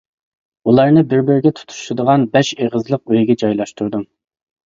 ئۇلارنى بىر-بىرىگە تۇتىشىدىغان بەش ئېغىزلىق ئۆيگە جايلاشتۇردۇم.